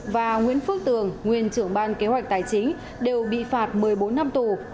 và nguyễn phước tường nguyên trưởng ban kế hoạch tài chính đều bị phạt một mươi bốn năm tù